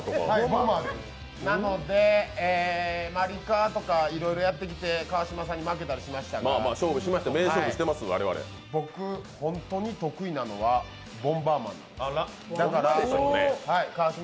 なので、マリカーとかいろいろやってきて川島さんに負けたりしましたから、僕、本当に得意なのは「ボンバーマン」なんです。